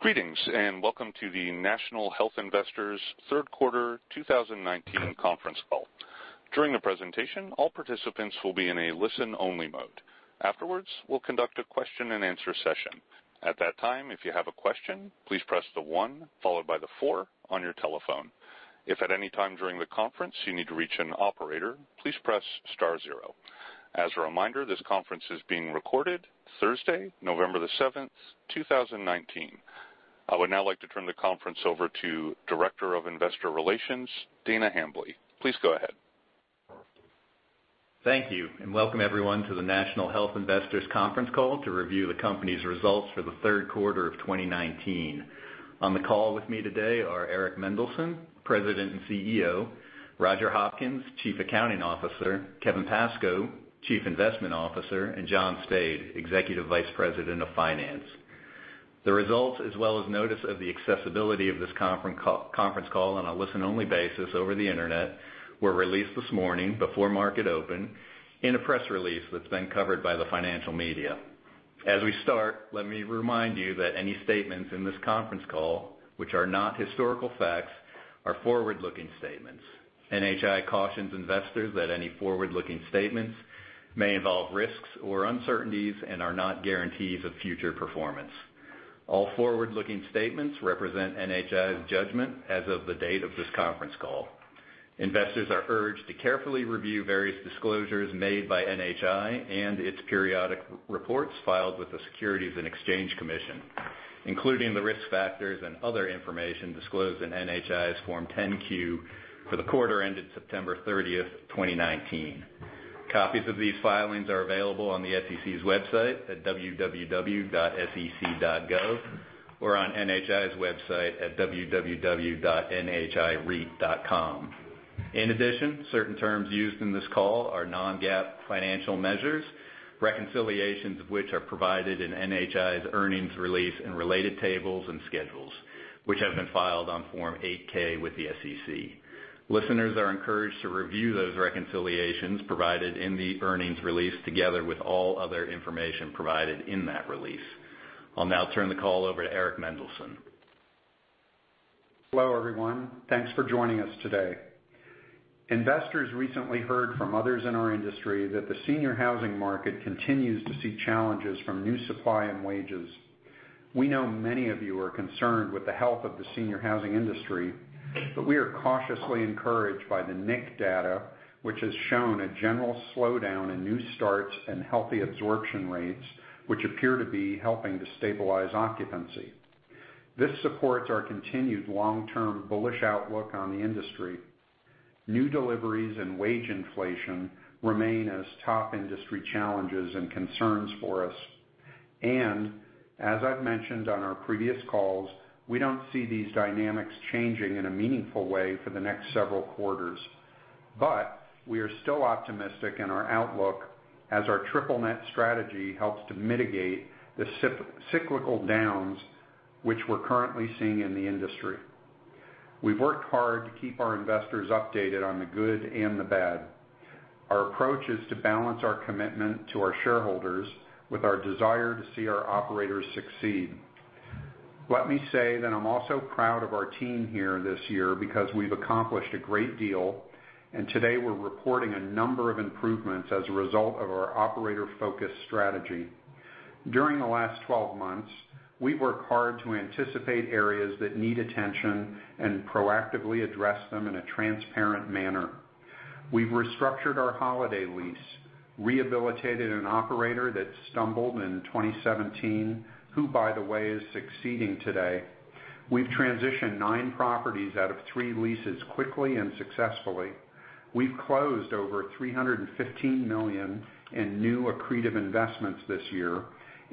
Greetings, welcome to the National Health Investors' third quarter 2019 conference call. During the presentation, all participants will be in a listen-only mode. Afterwards, we'll conduct a question and answer session. At that time, if you have a question, please press the one followed by the four on your telephone. If at any time during the conference you need to reach an operator, please press star zero. As a reminder, this conference is being recorded Thursday, November the 7th, 2019. I would now like to turn the conference over to Director of Investor Relations, Dana Hambly. Please go ahead. Thank you, and welcome everyone to the National Health Investors conference call to review the company's results for the third quarter of 2019. On the call with me today are Eric Mendelsohn, President and CEO, Roger Hopkins, Chief Accounting Officer, Kevin Pascoe, Chief Investment Officer, and John Spaid, Executive Vice President of Finance. The results, as well as notice of the accessibility of this conference call on a listen-only basis over the internet, were released this morning before market open in a press release that's been covered by the financial media. As we start, let me remind you that any statements in this conference call, which are not historical facts, are forward-looking statements. NHI cautions investors that any forward-looking statements may involve risks or uncertainties and are not guarantees of future performance. All forward-looking statements represent NHI's judgment as of the date of this conference call. Investors are urged to carefully review various disclosures made by NHI and its periodic reports filed with the Securities and Exchange Commission, including the risk factors and other information disclosed in NHI's Form 10-Q for the quarter ended September 30th, 2019. Copies of these filings are available on the SEC's website at www.sec.gov or on NHI's website at www.nhireit.com. In addition, certain terms used in this call are non-GAAP financial measures, reconciliations of which are provided in NHI's earnings release and related tables and schedules, which have been filed on Form 8-K with the SEC. Listeners are encouraged to review those reconciliations provided in the earnings release together with all other information provided in that release. I'll now turn the call over to Eric Mendelsohn. Hello, everyone. Thanks for joining us today. Investors recently heard from others in our industry that the senior housing market continues to see challenges from new supply and wages. We know many of you are concerned with the health of the senior housing industry, we are cautiously encouraged by the NIC data, which has shown a general slowdown in new starts and healthy absorption rates, which appear to be helping to stabilize occupancy. This supports our continued long-term bullish outlook on the industry. New deliveries and wage inflation remain as top industry challenges and concerns for us. As I've mentioned on our previous calls, we don't see these dynamics changing in a meaningful way for the next several quarters. We are still optimistic in our outlook as our triple net strategy helps to mitigate the cyclical downs which we're currently seeing in the industry. We've worked hard to keep our investors updated on the good and the bad. Our approach is to balance our commitment to our shareholders with our desire to see our operators succeed. Let me say that I'm also proud of our team here this year because we've accomplished a great deal, and today we're reporting a number of improvements as a result of our operator-focused strategy. During the last 12 months, we've worked hard to anticipate areas that need attention and proactively address them in a transparent manner. We've restructured our Holiday lease, rehabilitated an operator that stumbled in 2017, who by the way, is succeeding today. We've transitioned nine properties out of three leases quickly and successfully. We've closed over $315 million in new accretive investments this year.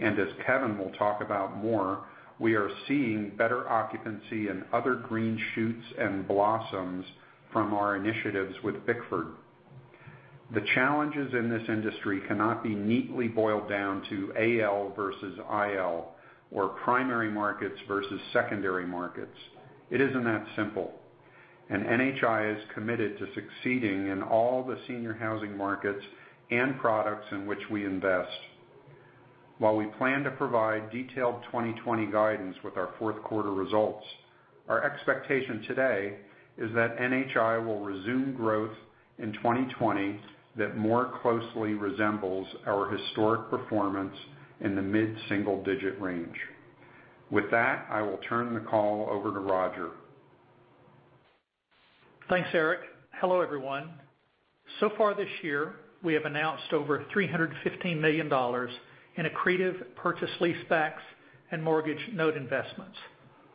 As Kevin will talk about more, we are seeing better occupancy and other green shoots and blossoms from our initiatives with Bickford. The challenges in this industry cannot be neatly boiled down to AL versus IL or primary markets versus secondary markets. It isn't that simple, and NHI is committed to succeeding in all the senior housing markets and products in which we invest. While we plan to provide detailed 2020 guidance with our fourth quarter results, our expectation today is that NHI will resume growth in 2020 that more closely resembles our historic performance in the mid-single-digit range. With that, I will turn the call over to Roger. Thanks, Eric. Hello, everyone. Far this year, we have announced over $315 million in accretive purchase leasebacks and mortgage note investments,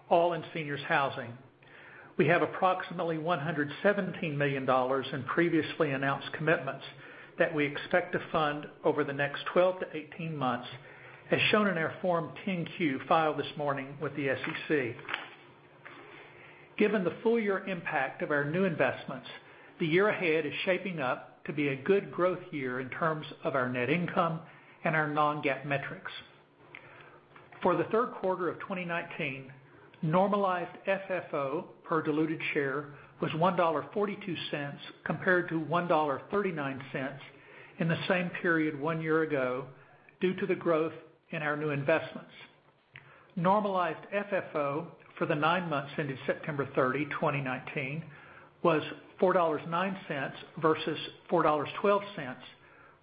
all in seniors housing. We have approximately $117 million in previously announced commitments that we expect to fund over the next 12-18 months, as shown in our Form 10-Q filed this morning with the SEC. Given the full year impact of our new investments, the year ahead is shaping up to be a good growth year in terms of our net income and our non-GAAP metrics. For the third quarter of 2019, normalized FFO per diluted share was $1.42 compared to $1.39 in the same period one year ago, due to the growth in our new investments. Normalized FFO for the nine months ended September 30, 2019, was $4.09 versus $4.12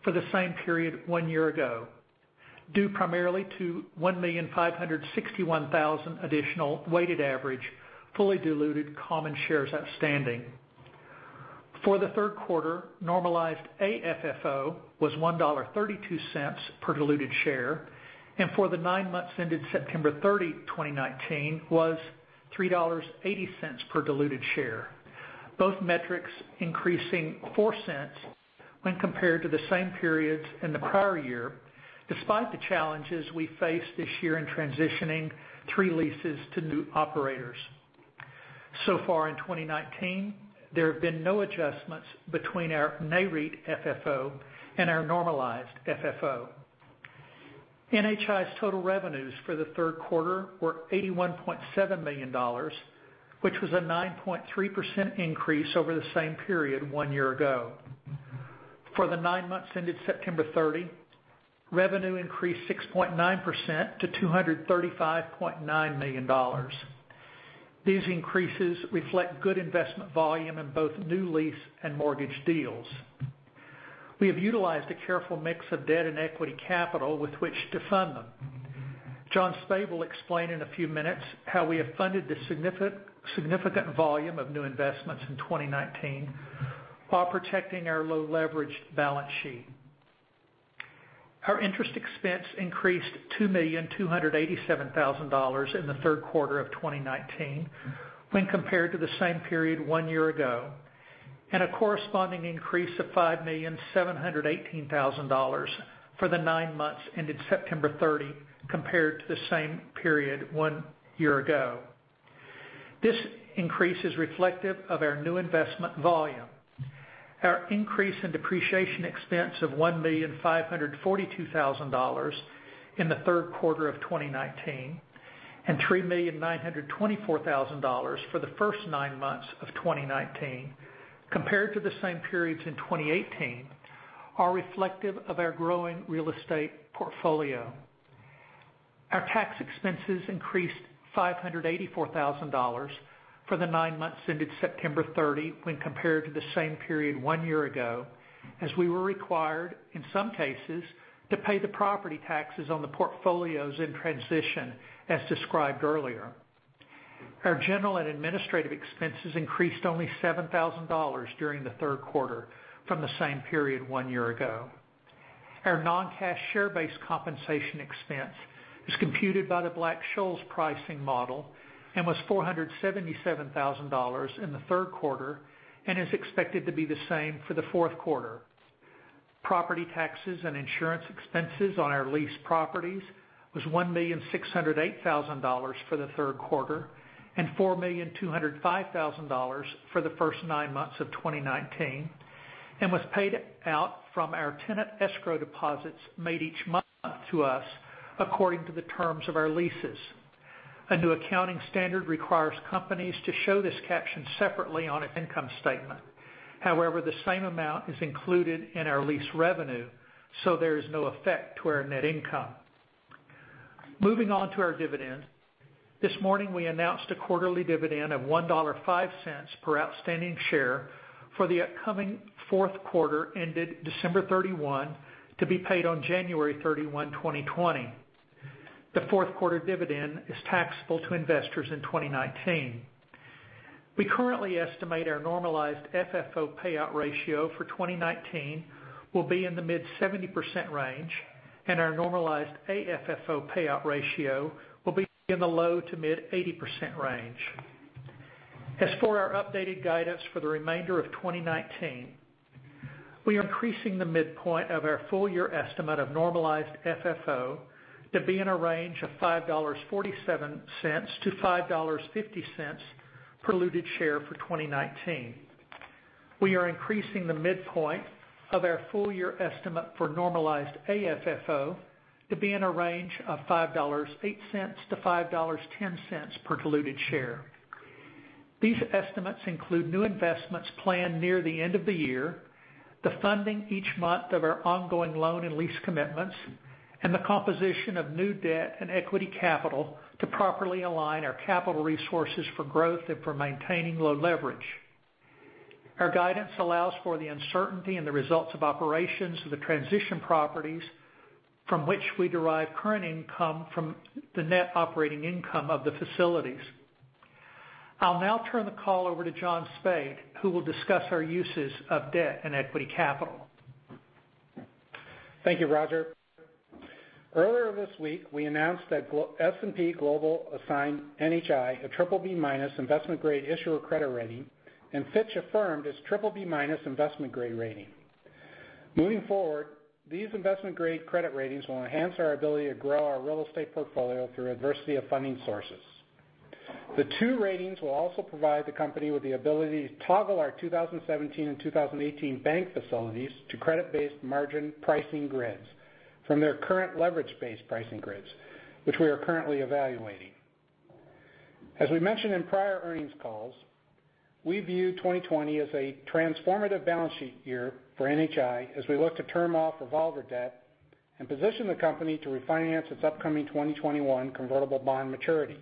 for the same period one year ago, due primarily to 1,561,000 additional weighted average fully diluted common shares outstanding. For the third quarter, normalized AFFO was $1.32 per diluted share, and for the nine months ended September 30, 2019, was $3.80 per diluted share, both metrics increasing $0.04 when compared to the same periods in the prior year, despite the challenges we faced this year in transitioning three leases to new operators. Far in 2019, there have been no adjustments between our Nareit FFO and our normalized FFO. NHI's total revenues for the third quarter were $81.7 million, which was a 9.3% increase over the same period one year ago. For the nine months ended September 30, revenue increased 6.9% to $235.9 million. These increases reflect good investment volume in both new lease and mortgage deals. We have utilized a careful mix of debt and equity capital with which to fund them. John Spaid will explain in a few minutes how we have funded the significant volume of new investments in 2019 while protecting our low-leveraged balance sheet. Our interest expense increased $2,287,000 in the third quarter of 2019 when compared to the same period one year ago, and a corresponding increase of $5,718,000 for the nine months ended September 30 compared to the same period one year ago. This increase is reflective of our new investment volume. Our increase in depreciation expense of $1,542,000 in the third quarter of 2019, and $3,924,000 for the first nine months of 2019 compared to the same periods in 2018, are reflective of our growing real estate portfolio. Our tax expenses increased $584,000 for the nine months ended September 30 when compared to the same period one year ago, as we were required, in some cases, to pay the property taxes on the portfolios in transition, as described earlier. Our general and administrative expenses increased only $7,000 during the third quarter from the same period one year ago. Our non-cash share-based compensation expense is computed by the Black-Scholes pricing model and was $477,000 in the third quarter and is expected to be the same for the fourth quarter. Property taxes and insurance expenses on our leased properties was $1,608,000 for the third quarter and $4,205,000 for the first nine months of 2019, and was paid out from our tenant escrow deposits made each month to us according to the terms of our leases. A new accounting standard requires companies to show this caption separately on an income statement. The same amount is included in our lease revenue, so there is no effect to our net income. Moving on to our dividend. This morning, we announced a quarterly dividend of $1.05 per outstanding share for the upcoming fourth quarter ended December 31 to be paid on January 31, 2020. The fourth quarter dividend is taxable to investors in 2019. We currently estimate our normalized FFO payout ratio for 2019 will be in the mid 70% range, and our normalized AFFO payout ratio will be in the low to mid 80% range. As for our updated guidance for the remainder of 2019, we are increasing the midpoint of our full-year estimate of normalized FFO to be in a range of $5.47-$5.50 per diluted share for 2019. We are increasing the midpoint of our full-year estimate for normalized AFFO to be in a range of $5.08-$5.10 per diluted share. These estimates include new investments planned near the end of the year, the funding each month of our ongoing loan and lease commitments, and the composition of new debt and equity capital to properly align our capital resources for growth and for maintaining low leverage. Our guidance allows for the uncertainty in the results of operations of the transition properties from which we derive current income from the net operating income of the facilities. I'll now turn the call over to John Spaid, who will discuss our uses of debt and equity capital. Thank you, Roger. Earlier this week, we announced that S&P Global assigned NHI a BBB- investment grade issuer credit rating, and Fitch affirmed its BBB- investment grade rating. Moving forward, these investment grade credit ratings will enhance our ability to grow our real estate portfolio through a diversity of funding sources. The two ratings will also provide the company with the ability to toggle our 2017 and 2018 bank facilities to credit-based margin pricing grids from their current leverage-based pricing grids, which we are currently evaluating. As we mentioned in prior earnings calls, we view 2020 as a transformative balance sheet year for NHI as we look to term off revolver debt and position the company to refinance its upcoming 2021 convertible bond maturity.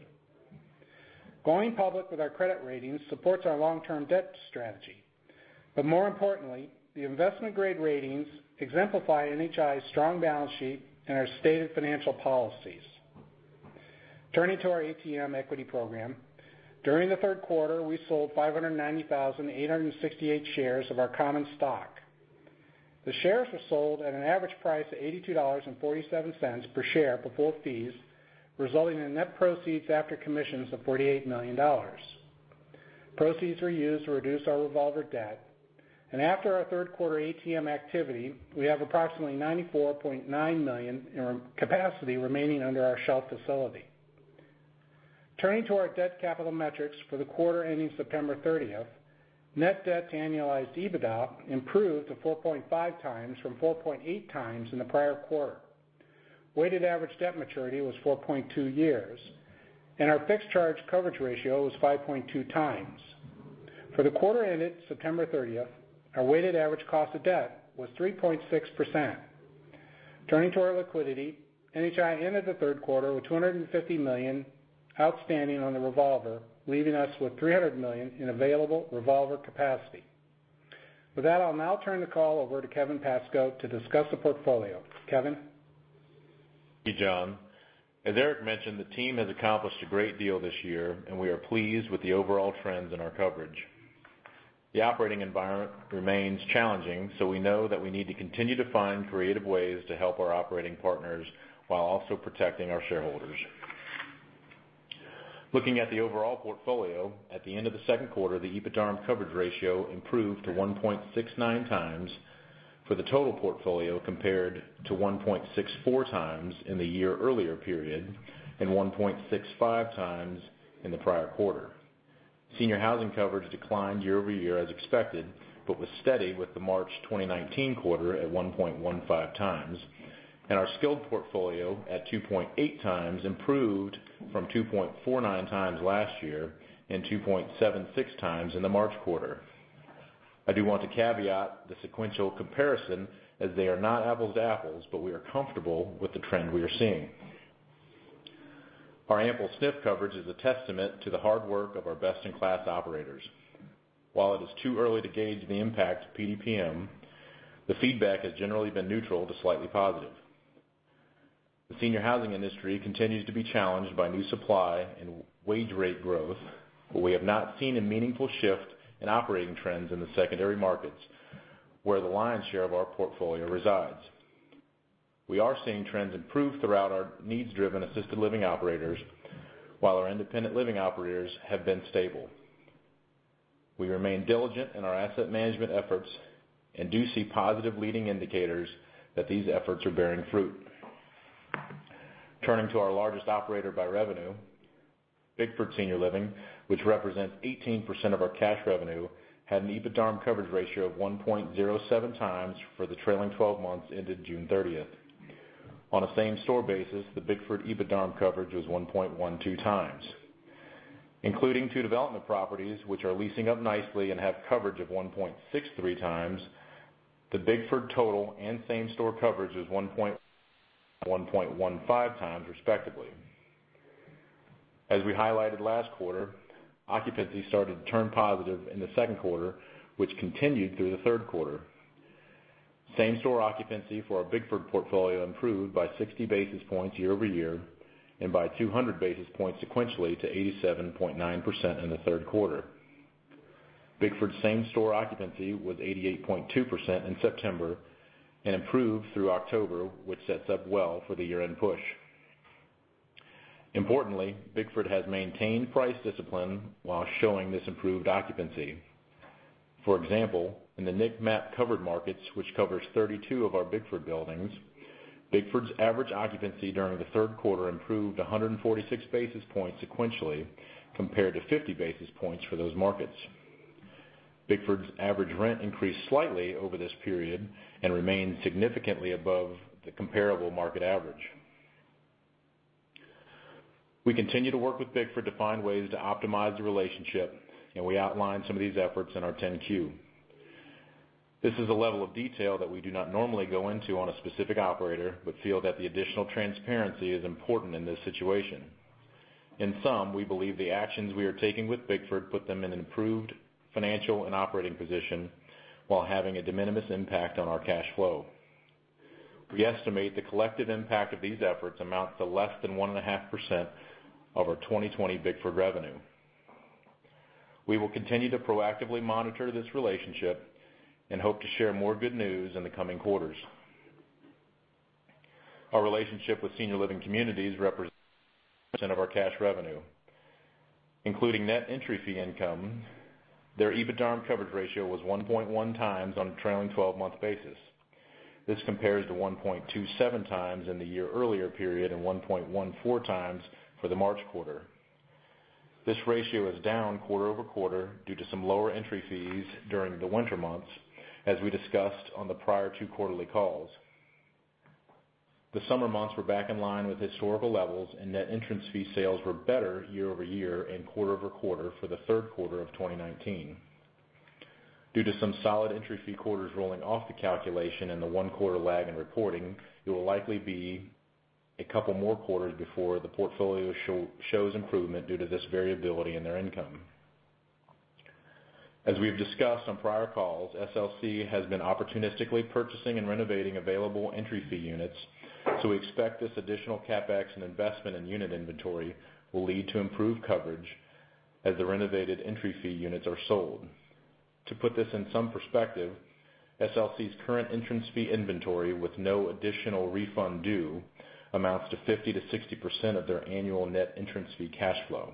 Going public with our credit ratings supports our long-term debt strategy, but more importantly, the investment-grade ratings exemplify NHI's strong balance sheet and our stated financial policies. Turning to our ATM equity program. During the third quarter, we sold 590,868 shares of our common stock. The shares were sold at an average price of $82.47 per share before fees, resulting in net proceeds after commissions of $48 million. Proceeds were used to reduce our revolver debt, and after our third quarter ATM activity, we have approximately $94.9 million in capacity remaining under our shelf facility. Turning to our debt capital metrics for the quarter ending September 30th, net debt to annualized EBITDA improved to 4.5 times from 4.8 times in the prior quarter. Weighted average debt maturity was 4.2 years, and our fixed charge coverage ratio was 5.2 times. For the quarter ended September 30th, our weighted average cost of debt was 3.6%. Turning to our liquidity, NHI ended the third quarter with $250 million outstanding on the revolver, leaving us with $300 million in available revolver capacity. With that, I'll now turn the call over to Kevin Pascoe to discuss the portfolio. Kevin? Thank you, John. As Eric mentioned, the team has accomplished a great deal this year, and we are pleased with the overall trends in our coverage. The operating environment remains challenging, so we know that we need to continue to find creative ways to help our operating partners while also protecting our shareholders. Looking at the overall portfolio. At the end of the second quarter, the EBITDARM coverage ratio improved to 1.69 times for the total portfolio compared to 1.64 times in the year earlier period and 1.65 times in the prior quarter. Senior housing coverage declined year-over-year as expected, but was steady with the March 2019 quarter at 1.15 times, and our skilled portfolio at 2.8 times improved from 2.49 times last year and 2.76 times in the March quarter. I do want to caveat the sequential comparison as they are not apples to apples, but we are comfortable with the trend we are seeing. Our ample SNF coverage is a testament to the hard work of our best-in-class operators. While it is too early to gauge the impact of PDPM, the feedback has generally been neutral to slightly positive. The senior housing industry continues to be challenged by new supply and wage rate growth, but we have not seen a meaningful shift in operating trends in the secondary markets where the lion's share of our portfolio resides. We are seeing trends improve throughout our needs-driven assisted living operators, while our independent living operators have been stable. We remain diligent in our asset management efforts and do see positive leading indicators that these efforts are bearing fruit. Turning to our largest operator by revenue, Bickford Senior Living, which represents 18% of our cash revenue, had an EBITDARM coverage ratio of 1.07 times for the trailing 12 months ended June 30th. On a same-store basis, the Bickford EBITDARM coverage was 1.12 times. Including two development properties, which are leasing up nicely and have coverage of 1.63 times, the Bickford total and same-store coverage is 1.15 times respectively. As we highlighted last quarter, occupancy started to turn positive in the second quarter, which continued through the third quarter. Same-store occupancy for our Bickford portfolio improved by 60 basis points year-over-year and by 200 basis points sequentially to 87.9% in the third quarter. Bickford same-store occupancy was 88.2% in September and improved through October, which sets up well for the year-end push. Importantly, Bickford has maintained price discipline while showing this improved occupancy. For example, in the NIC MAP covered markets, which covers 32 of our Bickford buildings, Bickford's average occupancy during the third quarter improved 146 basis points sequentially compared to 50 basis points for those markets. Bickford's average rent increased slightly over this period and remains significantly above the comparable market average. We continue to work with Bickford to find ways to optimize the relationship. We outlined some of these efforts in our 10-Q. This is a level of detail that we do not normally go into on a specific operator. Feel that the additional transparency is important in this situation. In sum, we believe the actions we are taking with Bickford put them in an improved financial and operating position while having a de minimis impact on our cash flow. We estimate the collective impact of these efforts amounts to less than 1.5% of our 2020 Bickford revenue. We will continue to proactively monitor this relationship and hope to share more good news in the coming quarters. Our relationship with Senior Living Communities represents 2% of our cash revenue, including net entry fee income. Their EBITDARM coverage ratio was 1.1 times on a trailing 12-month basis. This compares to 1.27 times in the year earlier period and 1.14 times for the March quarter. This ratio is down quarter-over-quarter due to some lower entry fees during the winter months, as we discussed on the prior two quarterly calls. The summer months were back in line with historical levels, and net entrance fee sales were better year-over-year and quarter-over-quarter for the third quarter of 2019. Due to some solid entry fee quarters rolling off the calculation and the one quarter lag in reporting, it will likely be a couple more quarters before the portfolio shows improvement due to this variability in their income. We expect this additional CapEx and investment in unit inventory will lead to improved coverage as the renovated entry fee units are sold. To put this in some perspective, SLC's current entrance fee inventory with no additional refund due amounts to 50%-60% of their annual net entrance fee cash flow.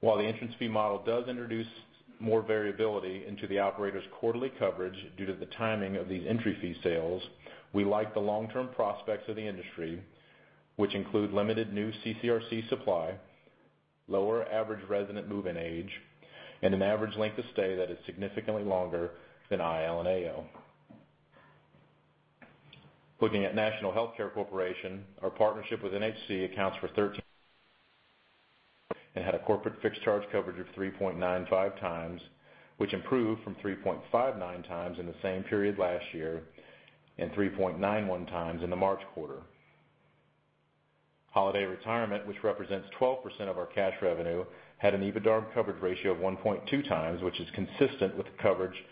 While the entrance fee model does introduce more variability into the operator's quarterly coverage due to the timing of these entry fee sales, we like the long-term prospects of the industry, which include limited new CCRC supply, lower average resident move-in age, and an average length of stay that is significantly longer than IL and AL. Looking at National HealthCare Corporation, our partnership with NHC accounts for 13 And had a corporate fixed charge coverage of 3.95 times, which improved from 3.59 times in the same period last year, and 3.91 times in the March quarter. Holiday Retirement, which represents 12% of our cash revenue, had an EBITDARM coverage ratio of 1.2 times, which is consistent with the coverage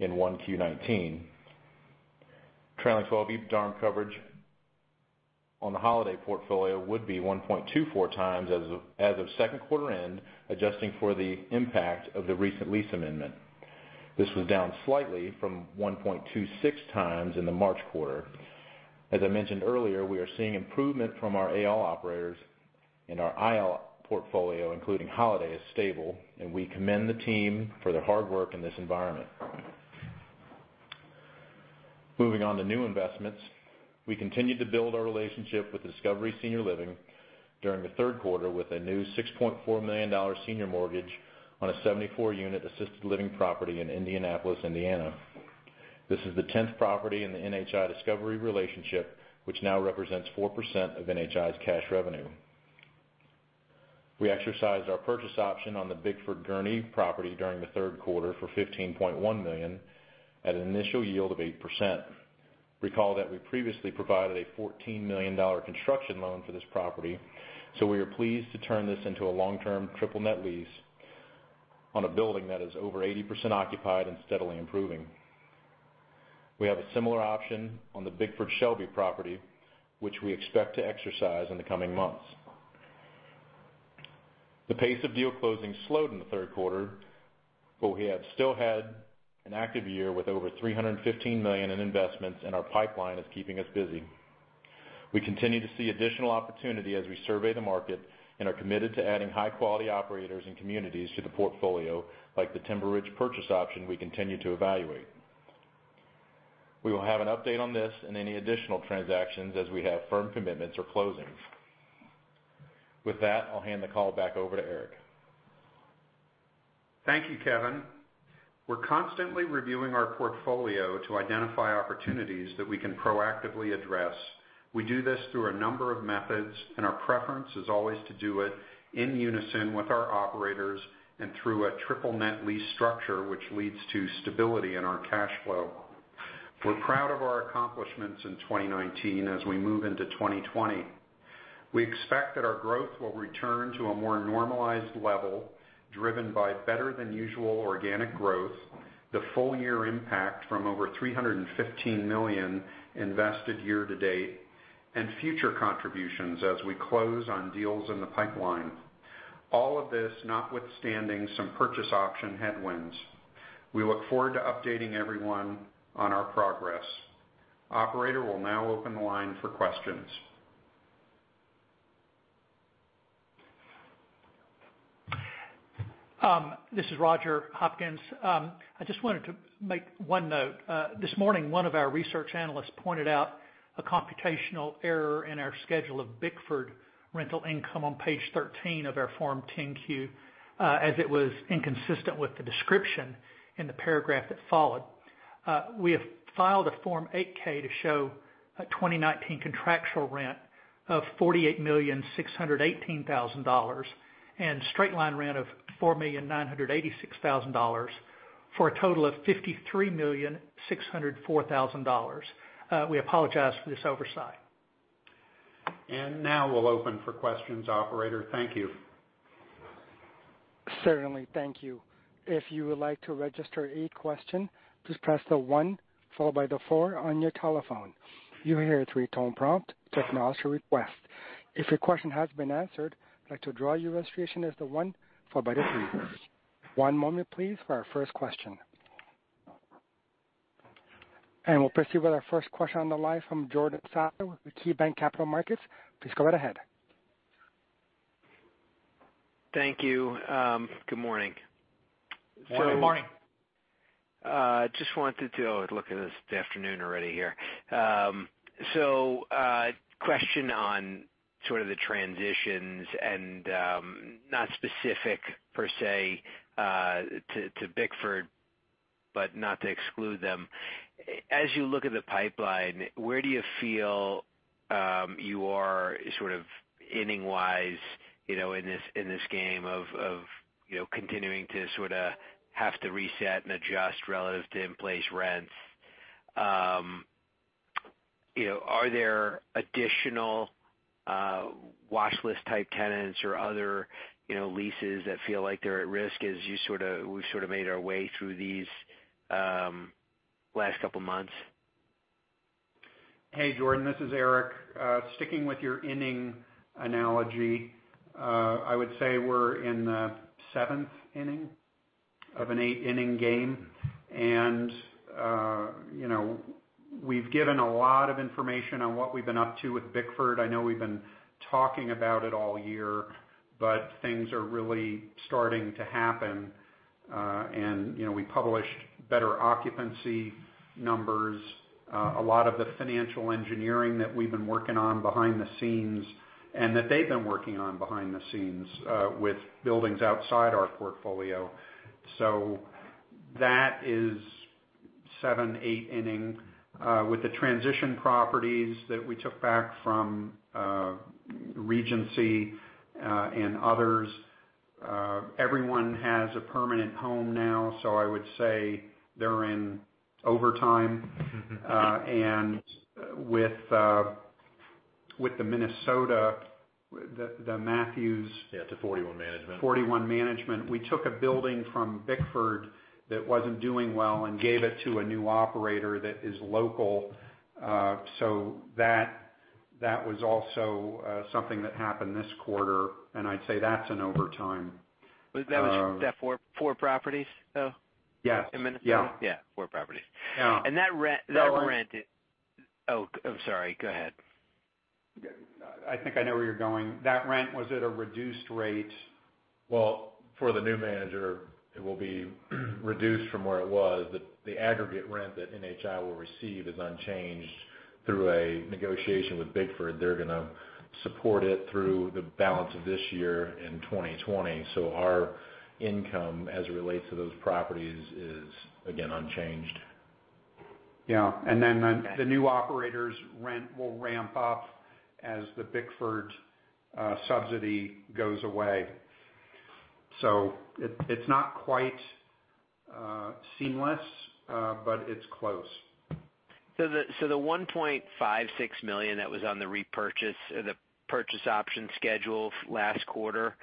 in 1Q19. Trailing 12 EBITDARM coverage on the Holiday portfolio would be 1.24 times as of second quarter end, adjusting for the impact of the recent lease amendment. This was down slightly from 1.26 times in the March quarter. As I mentioned earlier, we are seeing improvement from our AL operators and our IL portfolio, including Holiday, is stable, and we commend the team for their hard work in this environment. Moving on to new investments. We continued to build our relationship with Discovery Senior Living during the third quarter with a new $6.4 million senior mortgage on a 74-unit assisted living property in Indianapolis, Indiana. This is the 10th property in the NHI Discovery relationship, which now represents 4% of NHI's cash revenue. We exercised our purchase option on the Bickford Gurnee property during the third quarter for $15.1 million at an initial yield of 8%. Recall that we previously provided a $14 million construction loan for this property, so we are pleased to turn this into a long-term triple net lease on a building that is over 80% occupied and steadily improving. We have a similar option on the Bickford Shelby property, which we expect to exercise in the coming months. The pace of deal closing slowed in the third quarter, but we have still had an active year with over $315 million in investments, and our pipeline is keeping us busy. We continue to see additional opportunity as we survey the market and are committed to adding high-quality operators and communities to the portfolio, like the Timber Ridge purchase option we continue to evaluate. We will have an update on this and any additional transactions as we have firm commitments or closings. With that, I'll hand the call back over to Eric. Thank you, Kevin. We're constantly reviewing our portfolio to identify opportunities that we can proactively address. We do this through a number of methods, and our preference is always to do it in unison with our operators and through a triple net lease structure, which leads to stability in our cash flow. We're proud of our accomplishments in 2019 as we move into 2020. We expect that our growth will return to a more normalized level driven by better than usual organic growth, the full year impact from over $315 million invested year to date, and future contributions as we close on deals in the pipeline. All of this notwithstanding some purchase option headwinds. We look forward to updating everyone on our progress. Operator, we'll now open the line for questions. This is Roger Hopkins. I just wanted to make one note. This morning, one of our research analysts pointed out a computational error in our schedule of Bickford rental income on page 13 of our Form 10-Q, as it was inconsistent with the description in the paragraph that followed. We have filed a Form 8-K to show a 2019 contractual rent of $48,618,000, and straight-line rent of $4,986,000, for a total of $53,604,000. We apologize for this oversight. Now we'll open for questions, operator. Thank you. Certainly. Thank you. If you would like to register a question, please press the 1 followed by the 4 on your telephone. You will hear a three-tone prompt to acknowledge your request. If your question has been answered, I'd like to draw your registration as the 1 followed by the 3. One moment please for our first question. We'll proceed with our first question on the line from Jordan Sadler with KeyBanc Capital Markets. Please go right ahead. Thank you. Good morning. Good morning. Good morning. Oh, look at this, it's the afternoon already here. A question on sort of the transitions and not specific per se to Bickford, but not to exclude them. As you look at the pipeline, where do you feel you are sort of inning-wise in this game of continuing to sort of have to reset and adjust relative to in-place rents? Are there additional watchlist type tenants or other leases that feel like they're at risk as we've sort of made our way through these last couple of months? Hey, Jordan, this is Eric. Sticking with your inning analogy, I would say we're in the seventh inning of an eight-inning game. We've given a lot of information on what we've been up to with Bickford. I know we've been talking about it all year, but things are really starting to happen. We published better occupancy numbers. A lot of the financial engineering that we've been working on behind the scenes and that they've been working on behind the scenes, with buildings outside our portfolio. That is seven, eight inning. With the transition properties that we took back from Regency, and others, everyone has a permanent home now, so I would say they're in overtime. With the Minnesota, the Matthews. Yeah, to [41 Management]. 41 Management. We took a building from Bickford that wasn't doing well and gave it to a new operator that is local. That was also something that happened this quarter, and I'd say that's in overtime. Was that four properties, though? Yeah. In Minnesota? Yeah. Yeah. Four properties. Yeah. That rent- Go on. Oh, I'm sorry. Go ahead. I think I know where you're going. That rent was at a reduced rate. Well, for the new manager, it will be reduced from where it was. The aggregate rent that NHI will receive is unchanged through a negotiation with Bickford. They're going to support it through the balance of this year and 2020. Our income, as it relates to those properties, is again, unchanged. Yeah. The new operator's rent will ramp up as the Bickford subsidy goes away. It's not quite seamless, but it's close. The $1.56 million that was on the repurchase or the purchase option schedule last quarter,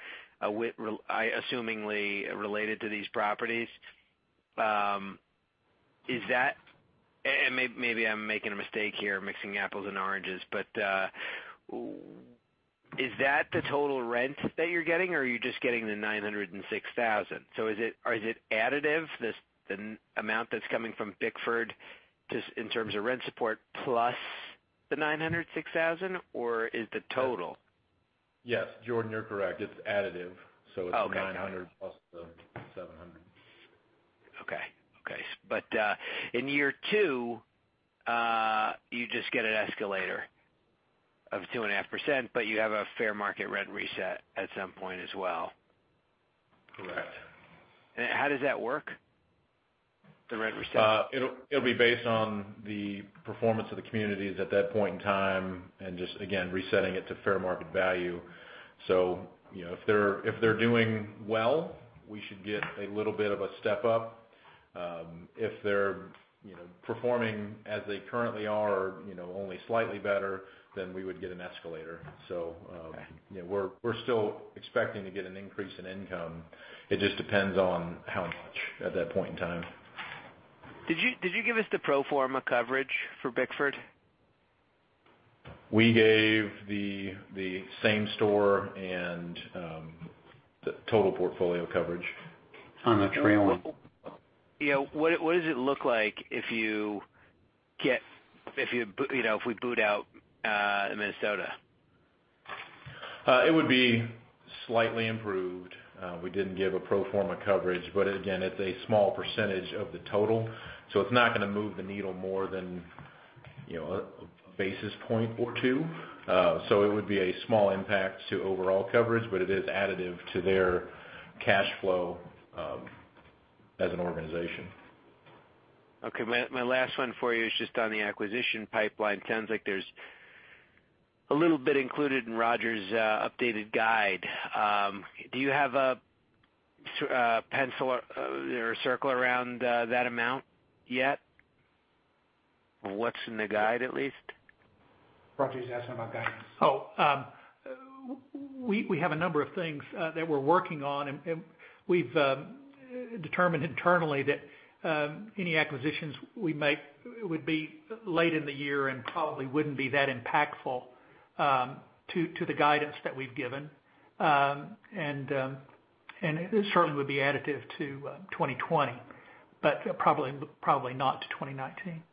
assumingly related to these properties. Maybe I'm making a mistake here, mixing apples and oranges, but is that the total rent that you're getting, or are you just getting the $906,000? Is it additive, this amount that's coming from Bickford just in terms of rent support plus the $906,000, or is the total? Yes, Jordan, you're correct. It's additive. Okay. Got it. It's $900 plus the $700. Okay. In year two, you just get an escalator of 2.5%, you have a fair market rent reset at some point as well. Correct. How does that work, the rent reset? It'll be based on the performance of the communities at that point in time and just, again, resetting it to fair market value. So, if they're doing well, we should get a little bit of a step up. If they're performing as they currently are or only slightly better, then we would get an escalator. Okay We're still expecting to get an increase in income. It just depends on how much at that point in time. Did you give us the pro forma coverage for Bickford? We gave the same store and the total portfolio coverage. On the trailing. What does it look like if we boot out Minnesota? It would be slightly improved. We didn't give a pro forma coverage, but again, it's a small percentage of the total, so it's not going to move the needle more than a basis point or two. It would be a small impact to overall coverage, but it is additive to their cash flow as an organization. Okay. My last one for you is just on the acquisition pipeline. Sounds like there's a little bit included in Roger's updated guide. Do you have a pencil or circle around that amount yet? What's in the guide at least? Roger, he's asking about guidance. We have a number of things that we're working on. We've determined internally that any acquisitions we make would be late in the year and probably wouldn't be that impactful to the guidance that we've given. It certainly would be additive to 2020, but probably not to 2019.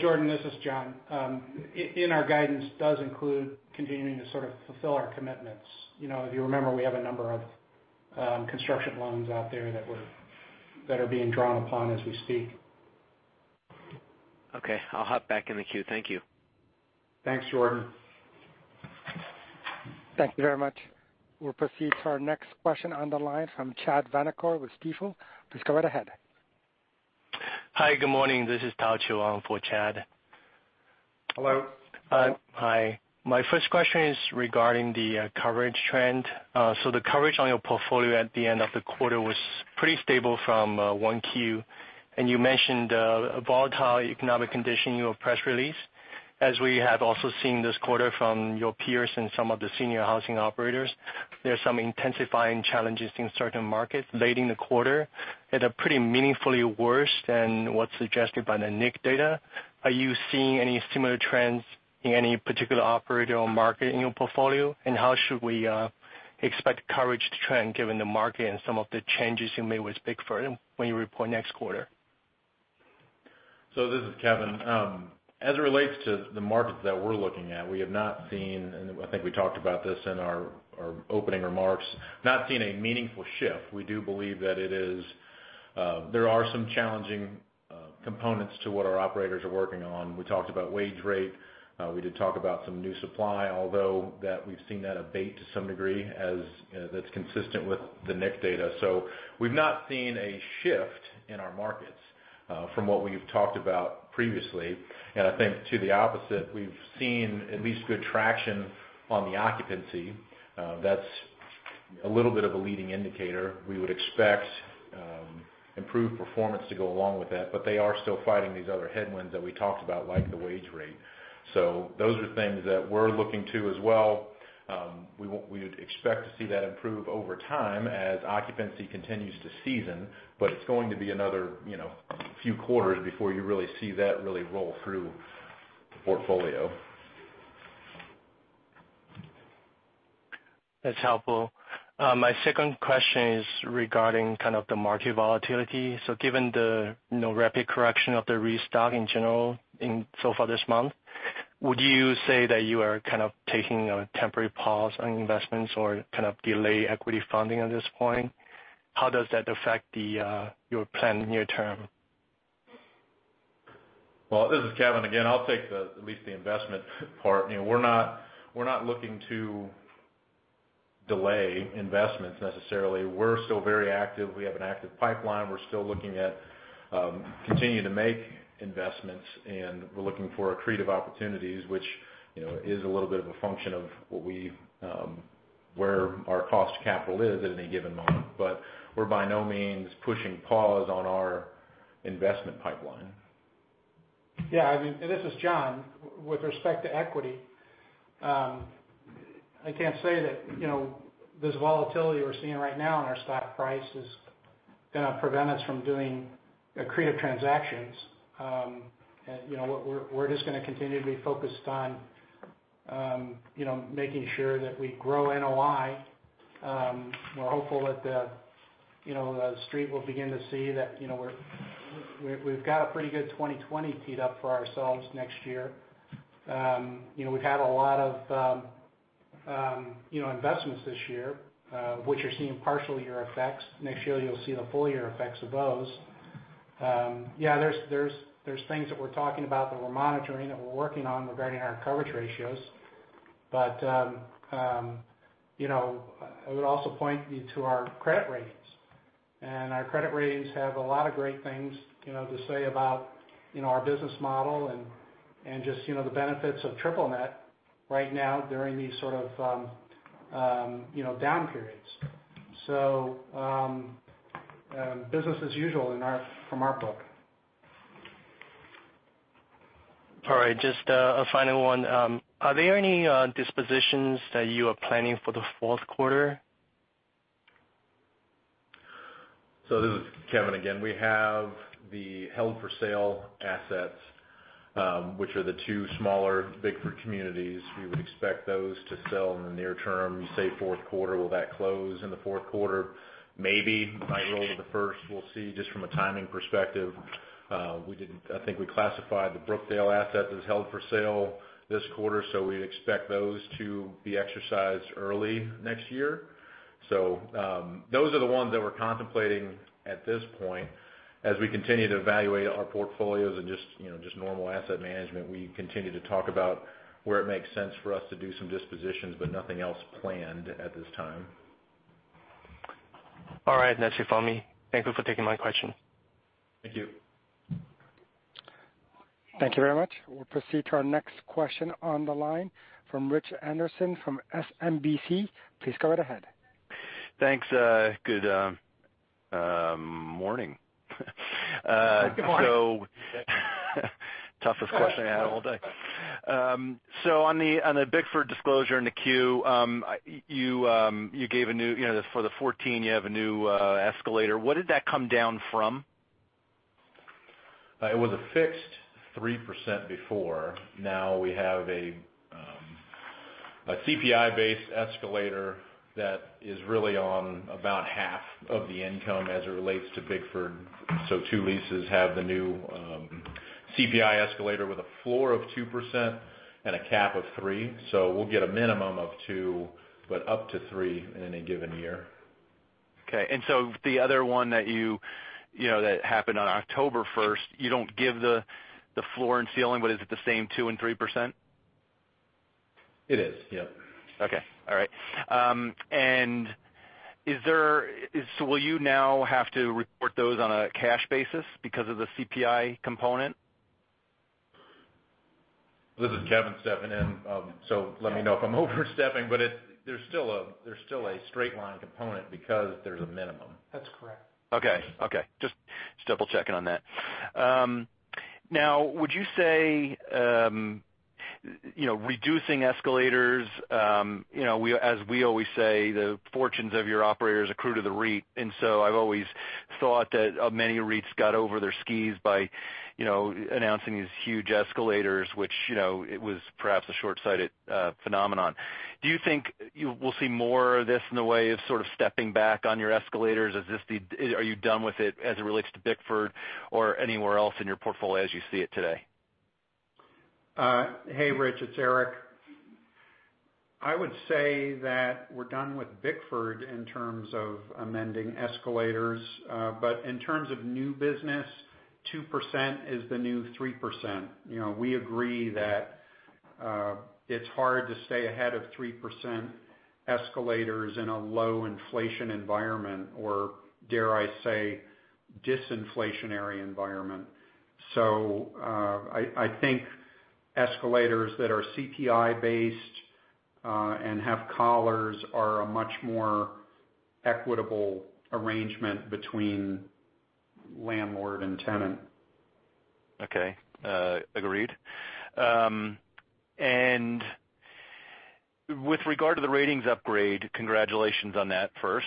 Jordan, this is John. Our guidance does include continuing to sort of fulfill our commitments. If you remember, we have a number of. Construction loans out there that are being drawn upon as we speak. Okay. I'll hop back in the queue. Thank you. Thanks, Jordan. Thank you very much. We'll proceed to our next question on the line from Chad Vanacore with Stifel. Please go right ahead. Hi, good morning. This is Tao Qiu for Chad. Hello. Hi. My first question is regarding the coverage trend. The coverage on your portfolio at the end of the quarter was pretty stable from 1Q, and you mentioned the volatile economic condition in your press release. As we have also seen this quarter from your peers and some of the senior housing operators, there's some intensifying challenges in certain markets late in the quarter that are pretty meaningfully worse than what's suggested by the NIC data. Are you seeing any similar trends in any particular operator or market in your portfolio? How should we expect coverage to trend given the market and some of the changes you made with Bickford when you report next quarter? This is Kevin. As it relates to the markets that we're looking at, we have not seen, and I think we talked about this in our opening remarks, not seen a meaningful shift. We do believe that there are some challenging components to what our operators are working on. We talked about wage rate, we did talk about some new supply, although we've seen that abate to some degree as that's consistent with the NIC data. We've not seen a shift in our markets from what we've talked about previously. I think to the opposite, we've seen at least good traction on the occupancy. That's a little bit of a leading indicator. We would expect improved performance to go along with that, but they are still fighting these other headwinds that we talked about, like the wage rate. Those are things that we're looking to as well. We would expect to see that improve over time as occupancy continues to season, but it's going to be another few quarters before you really see that really roll through the portfolio. That's helpful. My second question is regarding kind of the market volatility. Given the rapid correction of the REIT stock in general so far this month, would you say that you are kind of taking a temporary pause on investments or kind of delay equity funding at this point? How does that affect your plan near term? Well, this is Kevin again. I'll take at least the investment part. We're not looking to delay investments necessarily. We're still very active. We have an active pipeline. We're still looking at continuing to make investments, and we're looking for accretive opportunities, which is a little bit of a function of where our cost capital is at any given moment. We're by no means pushing pause on our investment pipeline. Yeah. This is John. With respect to equity, I can't say that this volatility we're seeing right now in our stock price is going to prevent us from doing accretive transactions. We're just going to continue to be focused on making sure that we grow NOI. We're hopeful that the street will begin to see that we've got a pretty good 2020 teed up for ourselves next year. We've had a lot of investments this year, which are seeing partial year effects. Next year, you'll see the full year effects of those. Yeah, there's things that we're talking about, that we're monitoring, that we're working on regarding our coverage ratios. I would also point you to our credit ratings. Our credit ratings have a lot of great things to say about our business model and just the benefits of triple net right now during these sort of down periods. Business as usual from our book. All right, just a final one. Are there any dispositions that you are planning for the fourth quarter? This is Kevin again. We have the held for sale assets, which are the two smaller Bickford communities. We would expect those to sell in the near term. You say fourth quarter, will that close in the fourth quarter? Maybe. It might roll to the first. We'll see just from a timing perspective. I think we classified the Brookdale asset as held for sale this quarter, we'd expect those to be exercised early next year. Those are the ones that we're contemplating at this point. As we continue to evaluate our portfolios and just normal asset management, we continue to talk about where it makes sense for us to do some dispositions, nothing else planned at this time. That's it for me. Thank you for taking my question. Thank you. Thank you very much. We'll proceed to our next question on the line from Rich Anderson from SMBC. Please go right ahead. Thanks. Good morning. Good morning. Toughest question I had all day. On the Bickford disclosure in the Q, for the 14 you have a new escalator. What did that come down from? It was a fixed 3% before. We have a CPI-based escalator that is really on aboutOf the income as it relates to Bickford. Two leases have the new CPI escalator with a floor of 2% and a cap of 3%. We'll get a minimum of two, but up to three in any given year. Okay. The other one that happened on October 1st, you don't give the floor and ceiling, but is it the same 2% and 3%? It is, yep. Okay. All right. Will you now have to report those on a cash basis because of the CPI component? This is Kevin stepping in. Let me know if I'm overstepping, but there's still a straight line component because there's a minimum. That's correct. Okay. Just double checking on that. Would you say, reducing escalators, as we always say, the fortunes of your operators accrue to the REIT. I've always thought that many REITs got over their skis by announcing these huge escalators, which it was perhaps a shortsighted phenomenon. Do you think we'll see more of this in the way of sort of stepping back on your escalators? Are you done with it as it relates to Bickford or anywhere else in your portfolio as you see it today? Hey, Rich, it's Eric. I would say that we're done with Bickford in terms of amending escalators. In terms of new business, 2% is the new 3%. We agree that it's hard to stay ahead of 3% escalators in a low inflation environment, or dare I say, disinflationary environment. I think escalators that are CPI based, and have collars are a much more equitable arrangement between landlord and tenant. Okay. Agreed. With regard to the ratings upgrade, congratulations on that first.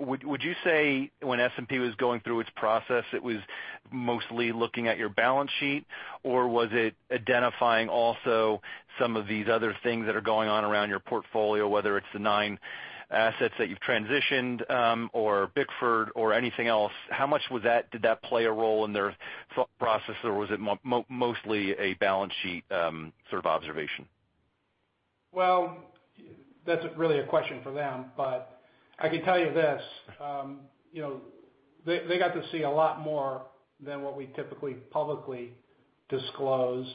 Would you say when S&P was going through its process, it was mostly looking at your balance sheet, or was it identifying also some of these other things that are going on around your portfolio, whether it's the nine assets that you've transitioned, or Bickford or anything else? How much did that play a role in their thought process, or was it mostly a balance sheet sort of observation? Well, that's really a question for them, but I can tell you this. They got to see a lot more than what we typically publicly disclose.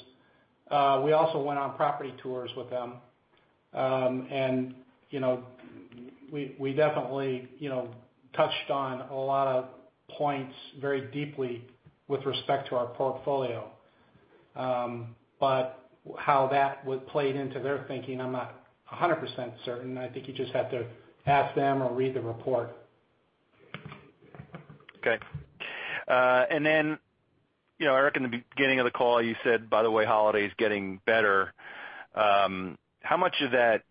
We also went on property tours with them. We definitely touched on a lot of points very deeply with respect to our portfolio. How that played into their thinking, I'm not 100% certain. I think you just have to ask them or read the report. Okay. Eric, in the beginning of the call, you said, by the way, Holiday's getting better. How much of that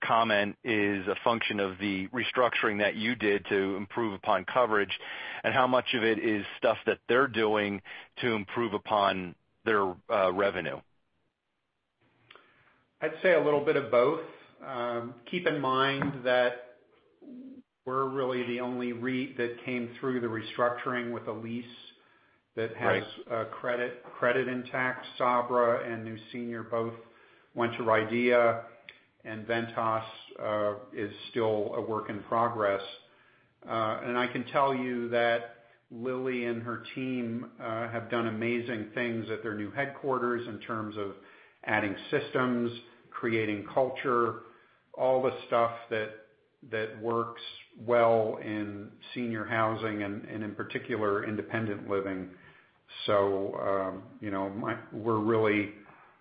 comment is a function of the restructuring that you did to improve upon coverage, and how much of it is stuff that they're doing to improve upon their revenue? I'd say a little bit of both. Keep in mind that we're really the only REIT that came through the restructuring with a lease that has. Right credit intact. Sabra and New Senior both went to RIDEA, Ventas is still a work in progress. I can tell you that Lilly and her team have done amazing things at their new headquarters in terms of adding systems, creating culture, all the stuff that works well in senior housing, and in particular, independent living. We're really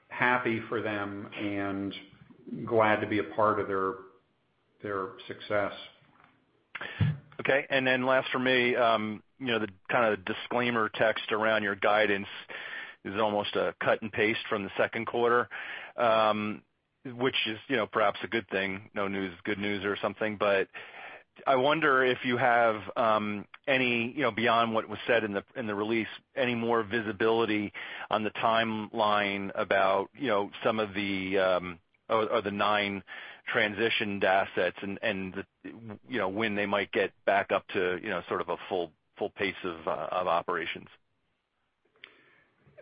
happy for them and glad to be a part of their success. Last from me, the kind of disclaimer text around your guidance is almost a cut and paste from the second quarter, which is perhaps a good thing. No news is good news or something. I wonder if you have, beyond what was said in the release, any more visibility on the timeline about some of the other nine transitioned assets and when they might get back up to sort of a full pace of operations.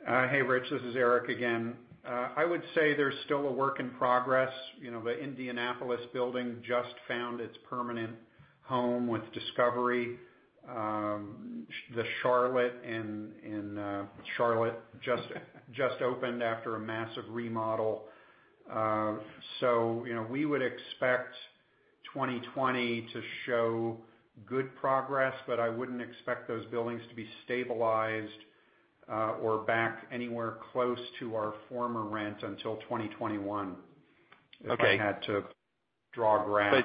Hey, Rich, this is Eric again. I would say they're still a work in progress. The Indianapolis building just found its permanent home with Discovery. The Charlotte just opened after a massive remodel. We would expect 2020 to show good progress, but I wouldn't expect those buildings to be stabilized, or back anywhere close to our former rent until 2021. Okay. If I had to draw a graph.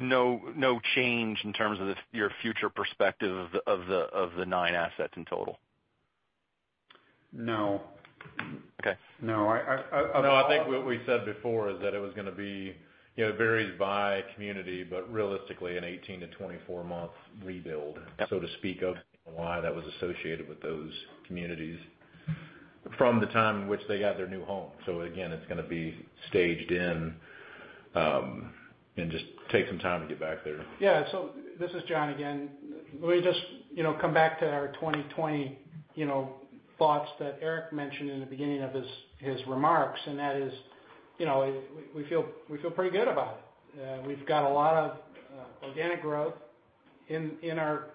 No change in terms of your future perspective of the nine assets in total? No. Okay. No. No, I think what we said before is that it varies by community, but realistically an 18 to 24-month rebuild-. Got it. so to speak, of why that was associated with those communities. From the time in which they got their new home. Again, it's going to be staged in, and just take some time to get back there. Yeah. This is John Spaid again. Let me just come back to our 2020 thoughts that Eric Mendelsohn mentioned in the beginning of his remarks, and that is, we feel pretty good about it. We've got a lot of organic growth in our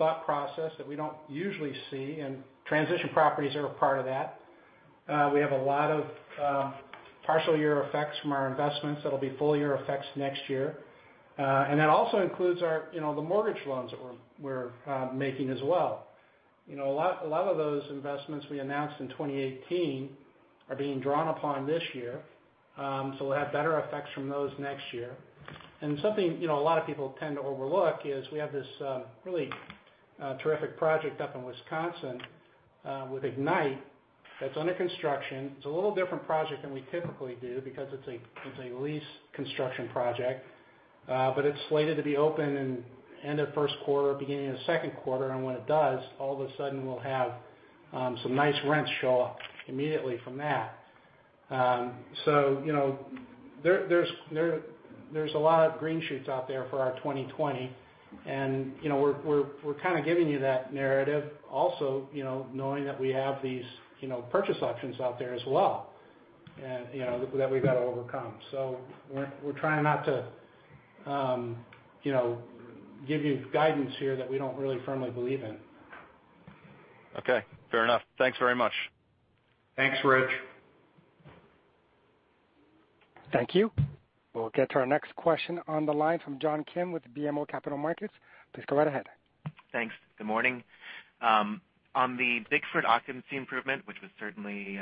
thought process that we don't usually see, and transition properties are a part of that. We have a lot of partial year effects from our investments that'll be full-year effects next year. That also includes the mortgage loans that we're making as well. A lot of those investments we announced in 2018 are being drawn upon this year. We'll have better effects from those next year. Something a lot of people tend to overlook is we have this really terrific project up in Wisconsin, with Ignite, that's under construction. It's a little different project than we typically do, because it's a lease construction project. It's slated to be open in end of first quarter, beginning of second quarter. When it does, all of a sudden we'll have some nice rents show up immediately from that. There's a lot of green shoots out there for our 2020, and we're kind of giving you that narrative also, knowing that we have these purchase options out there as well, and that we've got to overcome. We're trying not to give you guidance here that we don't really firmly believe in. Okay, fair enough. Thanks very much. Thanks, Rich. Thank you. We'll get to our next question on the line from John Kim with BMO Capital Markets. Please go right ahead. Thanks. Good morning. On the Bickford occupancy improvement, which was certainly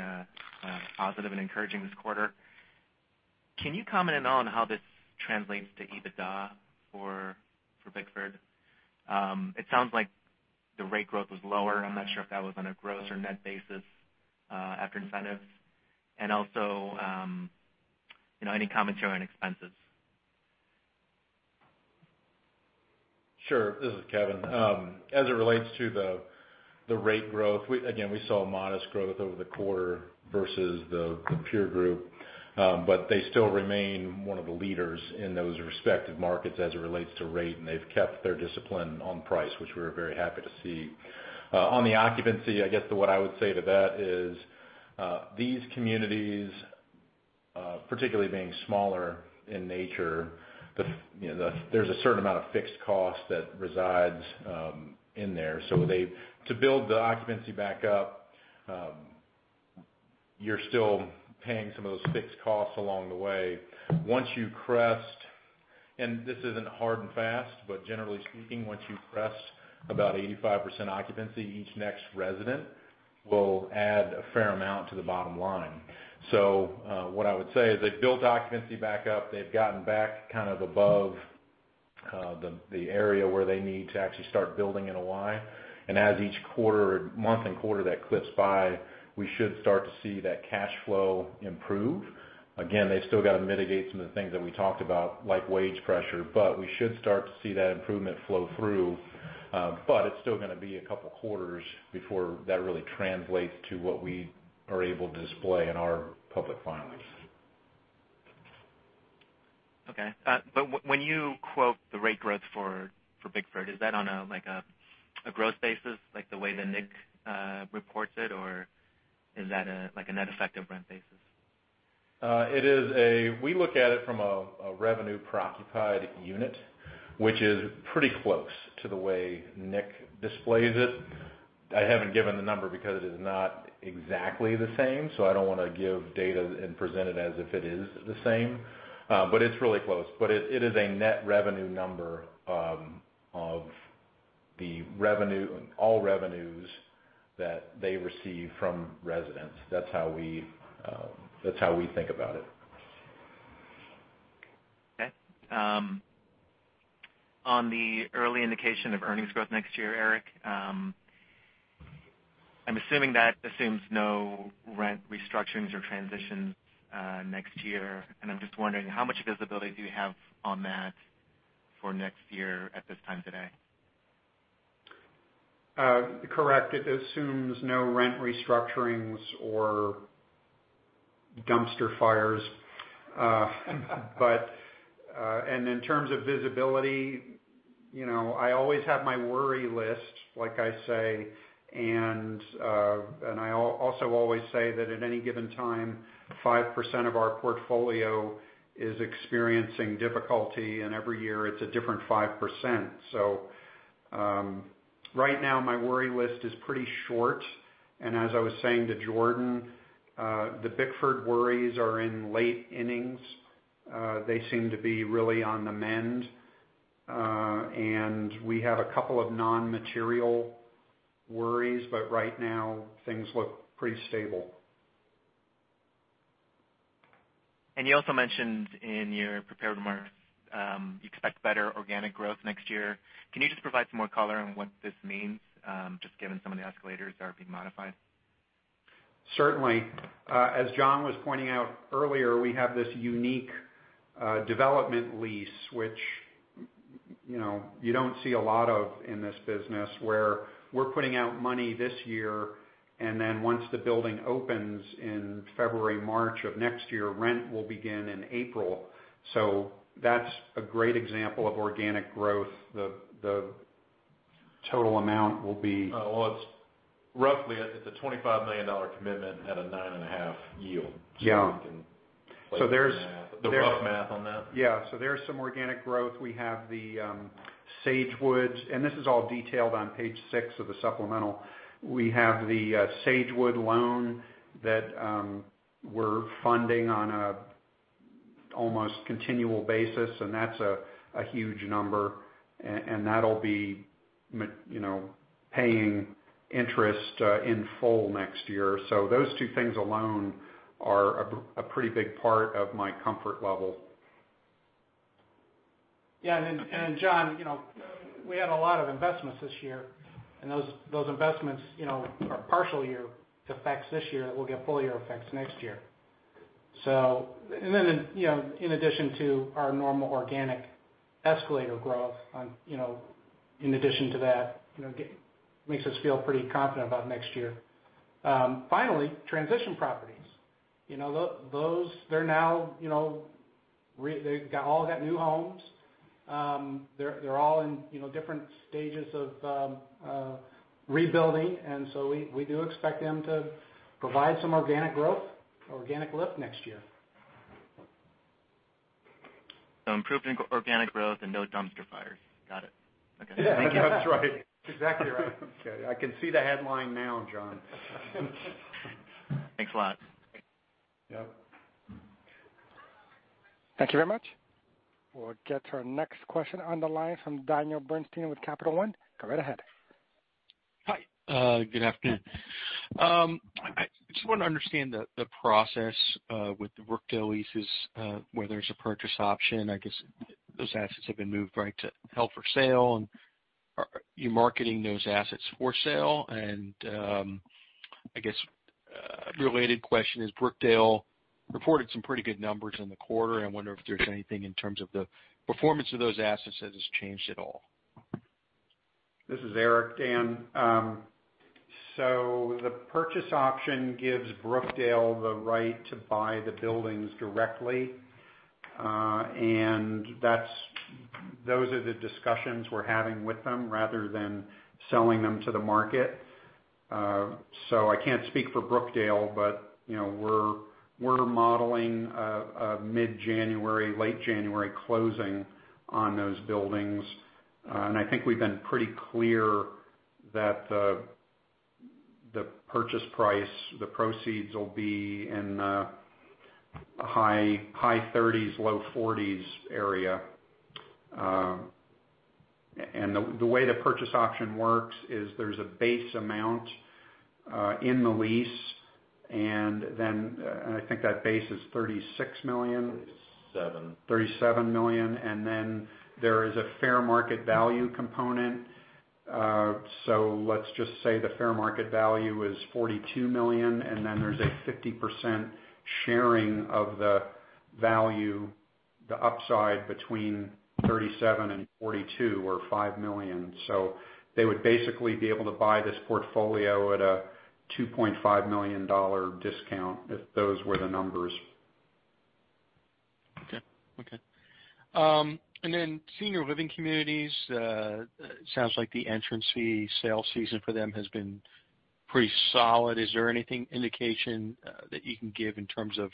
positive and encouraging this quarter, can you comment at all on how this translates to EBITDA for Bickford? It sounds like the rate growth was lower. I'm not sure if that was on a gross or net basis, after incentives. Also, any commentary on expenses. Sure. This is Kevin. As it relates to the rate growth, again, we saw modest growth over the quarter versus the peer group. They still remain one of the leaders in those respective markets as it relates to rate, and they've kept their discipline on price, which we're very happy to see. On the occupancy, I guess what I would say to that is, these communities, particularly being smaller in nature, there's a certain amount of fixed cost that resides in there. To build the occupancy back up, you're still paying some of those fixed costs along the way. Once you crest, and this isn't hard and fast, but generally speaking, once you crest about 85% occupancy, each next resident will add a fair amount to the bottom line. What I would say is they've built occupancy back up. They've gotten back kind of above the area where they need to actually start building NOI. As each month and quarter that clips by, we should start to see that cash flow improve. Again, they've still gotta mitigate some of the things that we talked about, like wage pressure. We should start to see that improvement flow through. It's still gonna be a couple quarters before that really translates to what we are able to display in our public filings. Okay. When you quote the rate growth for Bickford, is that on a growth basis, like the way that NIC reports it, or is that like a net effective rent basis? We look at it from a revenue per occupied unit, which is pretty close to the way NIC displays it. I haven't given the number because it is not exactly the same, so I don't want to give data and present it as if it is the same. It's really close. It is a net revenue number of all revenues that they receive from residents. That's how we think about it. Okay. On the early indication of earnings growth next year, Eric, I'm assuming that assumes no rent restructurings or transitions next year. I'm just wondering, how much visibility do you have on that for next year at this time today? Correct. It assumes no rent restructurings or dumpster fires. In terms of visibility, I always have my worry list, like I say, and I also always say that at any given time, 5% of our portfolio is experiencing difficulty, and every year it's a different 5%. Right now my worry list is pretty short. As I was saying to Jordan, the Bickford worries are in late innings. They seem to be really on the mend. We have a couple of non-material worries, but right now, things look pretty stable. You also mentioned in your prepared remarks, you expect better organic growth next year. Can you just provide some more color on what this means, just given some of the escalators are being modified? Certainly. As John was pointing out earlier, we have this unique development lease which. You don't see a lot of in this business where we're putting out money this year, and then once the building opens in February, March of next year, rent will begin in April. That's a great example of organic growth. The total amount will be. Well, it's roughly a $25 million commitment at a nine and a half yield. Yeah. So you can- So there's- The rough math on that. Yeah. There's some organic growth. We have the Sagewood, and this is all detailed on page six of the supplemental. We have the Sagewood loan that we're funding on a almost continual basis, and that's a huge number. That'll be paying interest in full next year. Those two things alone are a pretty big part of my comfort level. Yeah. John, we had a lot of investments this year, and those investments are partial year effects this year that will get full year effects next year. In addition to our normal organic escalator growth, in addition to that, makes us feel pretty confident about next year. Finally, transition properties. Those, they've all got new homes. They're all in different stages of rebuilding. We do expect them to provide some organic growth, organic lift next year. Improved organic growth and no dumpster fires. Got it. Okay. Thank you. That's right. Exactly right. Okay. I can see the headline now, John. Thanks a lot. Yep. Thank you very much. We'll get to our next question on the line from Daniel Bernstein with Capital One. Go right ahead. Hi. Good afternoon. I just want to understand the process with the Brookdale leases where there's a purchase option. I guess those assets have been moved right to held for sale and are you marketing those assets for sale? I guess, a related question is Brookdale reported some pretty good numbers in the quarter. I wonder if there's anything in terms of the performance of those assets that has changed at all? This is Eric. Dan, the purchase option gives Brookdale the right to buy the buildings directly. Those are the discussions we're having with them rather than selling them to the market. I can't speak for Brookdale, but we're modeling a mid-January, late January closing on those buildings. I think we've been pretty clear that the purchase price, the proceeds will be in the high $30s, low $40s area. The way the purchase option works is there's a base amount in the lease, and I think that base is $36 million. 37. $37 million, and then there is a fair market value component. Let's just say the fair market value is $42 million, and then there's a 50% sharing of the value, the upside between $37 and $42, or $5 million. They would basically be able to buy this portfolio at a $2.5 million discount if those were the numbers. Okay. Senior Living Communities, sounds like the entrance fee sale season for them has been pretty solid. Is there anything indication that you can give in terms of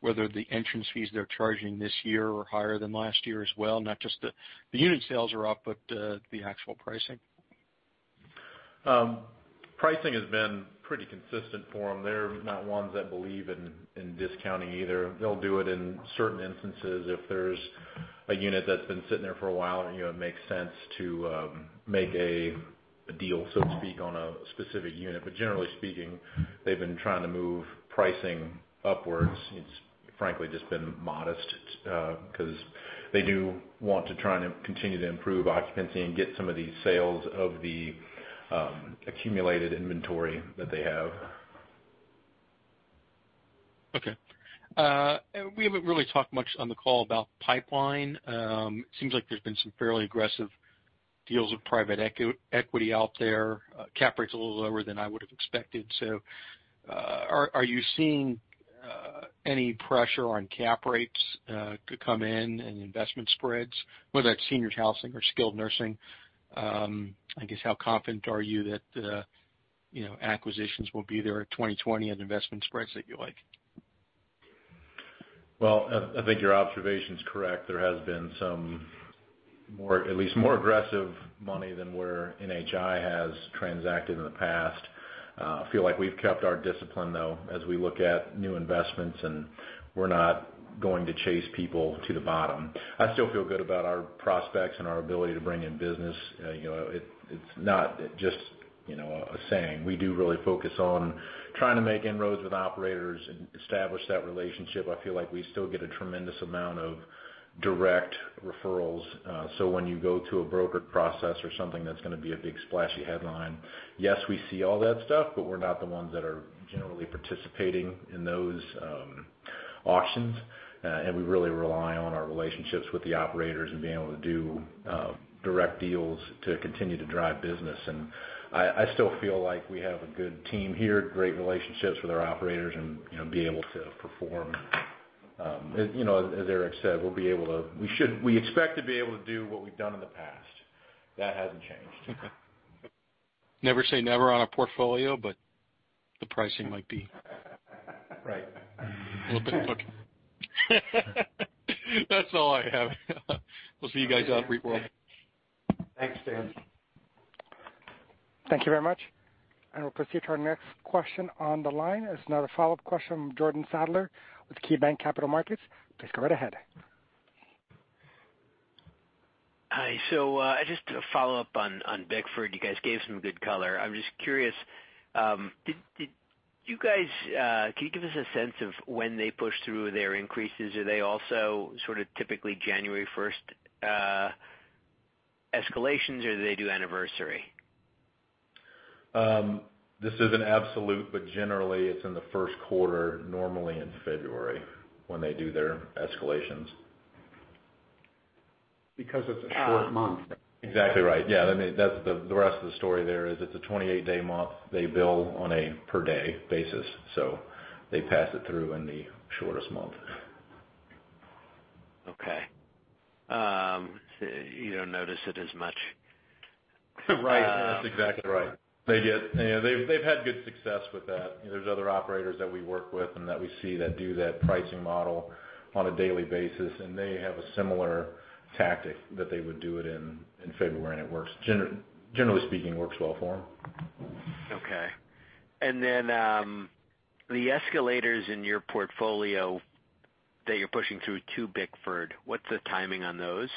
whether the entrance fees they're charging this year are higher than last year as well? Not just the unit sales are up, but the actual pricing. Pricing has been pretty consistent for them. They're not ones that believe in discounting either. They'll do it in certain instances if there's a unit that's been sitting there for a while, and it makes sense to make a deal, so to speak, on a specific unit. Generally speaking, they've been trying to move pricing upwards. It's frankly just been modest, because they do want to try and continue to improve occupancy and get some of these sales of the accumulated inventory that they have. Okay. We haven't really talked much on the call about pipeline. It seems like there's been some fairly aggressive deals with private equity out there. Cap rate's a little lower than I would've expected. Are you seeing any pressure on cap rates to come in and investment spreads, whether that's senior housing or skilled nursing? I guess how confident are you that acquisitions will be there at 2020 at investment spreads that you like? Well, I think your observation's correct. There has been some at least more aggressive money than where NHI has transacted in the past. I feel like we've kept our discipline, though, as we look at new investments, and we're not going to chase people to the bottom. I still feel good about our prospects and our ability to bring in business. It's not just a saying. We do really focus on trying to make inroads with operators and establish that relationship. I feel like we still get a tremendous amount of direct referrals. When you go to a brokered process or something that's going to be a big splashy headline, yes, we see all that stuff, but we're not the ones that are generally participating in those auctions, and we really rely on our relationships with the operators and being able to do direct deals to continue to drive business. I still feel like we have a good team here, great relationships with our operators, and be able to perform. As Eric said, we expect to be able to do what we've done in the past. That hasn't changed. Okay. Never say never on a portfolio, but the pricing might be- Right. A little bit. Okay. That's all I have. We'll see you guys out in the real world. Thanks, Dan. Thank you very much. We'll proceed to our next question on the line. It's another follow-up question from Jordan Sadler with KeyBanc Capital Markets. Please go right ahead. Hi. Just to follow up on Bickford, you guys gave some good color. I'm just curious, can you give us a sense of when they push through their increases? Are they also sort of typically January 1st escalations, or do they do anniversary? This is an absolute, but generally it's in the first quarter, normally in February, when they do their escalations. It's a short month. Exactly right. Yeah. That's the rest of the story there is it's a 28-day month. They bill on a per day basis, they pass it through in the shortest month. Okay. You don't notice it as much. Right. That's exactly right. They've had good success with that. There's other operators that we work with and that we see that do that pricing model on a daily basis, and they have a similar tactic that they would do it in February, and, generally speaking, works well for them. Okay. Then, the escalators in your portfolio that you're pushing through to Bickford, what's the timing on those?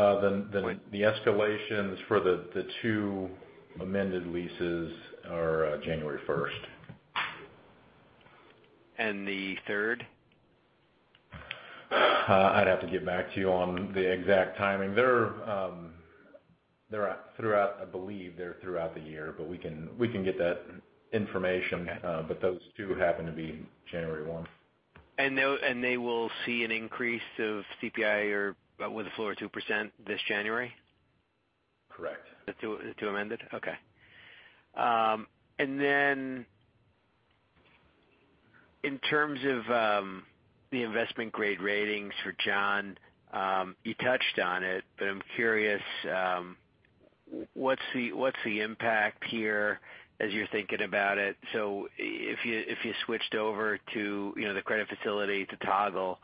The escalations for the two amended leases are January 1st. The third? I'd have to get back to you on the exact timing. I believe they're throughout the year, but we can get that information. Okay. Those two happen to be January 1. They will see an increase of CPI or with the floor 2% this January? Correct. The two amended? Okay. In terms of the investment grade ratings for John, you touched on it, but I'm curious, what's the impact here as you're thinking about it? If you switched over to the credit facility to toggle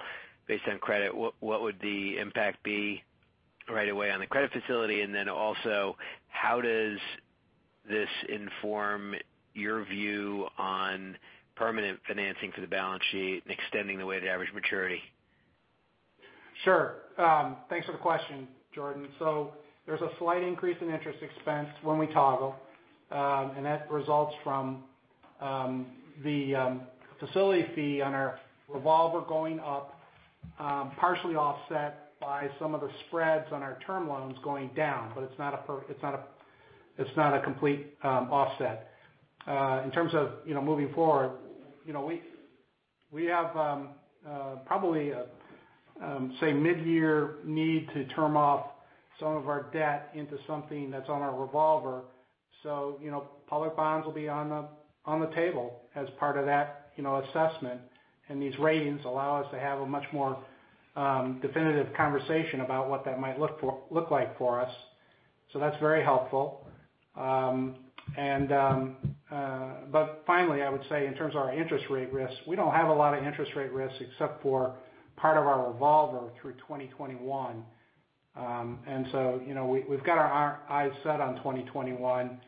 based on credit, what would the impact be right away on the credit facility? How does this inform your view on permanent financing for the balance sheet and extending the weighted average maturity? Sure. Thanks for the question, Jordan. There's a slight increase in interest expense when we toggle. That results from the facility fee on our revolver going up, partially offset by some of the spreads on our term loans going down. It's not a complete offset. In terms of moving forward, we have probably, say, mid-year need to term off some of our debt into something that's on our revolver. Public bonds will be on the table as part of that assessment. These ratings allow us to have a much more definitive conversation about what that might look like for us. That's very helpful. Finally, I would say in terms of our interest rate risk, we don't have a lot of interest rate risk except for part of our revolver through 2021. We've got our eyes set on 2021,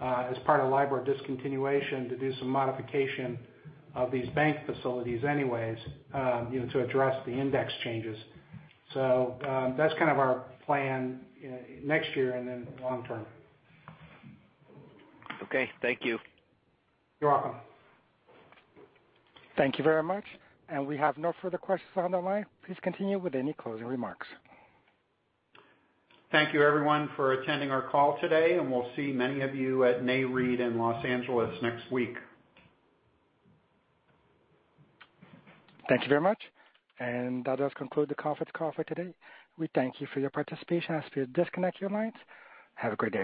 as part of LIBOR discontinuation, to do some modification of these bank facilities anyways, to address the index changes. That's kind of our plan next year and then long term. Okay. Thank you. You're welcome. Thank you very much. We have no further questions on the line. Please continue with any closing remarks. Thank you everyone for attending our call today, and we'll see many of you at Nareit in Los Angeles next week. Thank you very much. That does conclude the conference call for today. We thank you for your participation. As you disconnect your lines, have a great day.